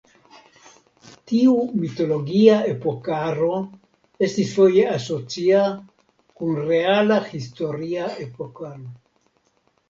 Tiu mitologia epokaro estis foje asocia kun reala historia epokaro.